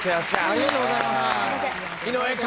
ありがとうございます。